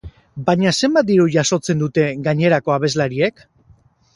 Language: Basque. Baina zenbat diru jasotzen dute gainerako abeslariek?